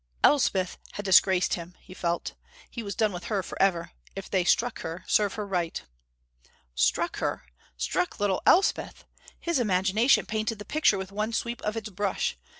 Elspeth had disgraced him, he felt. He was done with her forever. If they struck her, serve her right. Struck her! Struck little Elspeth! His imagination painted the picture with one sweep of its brush.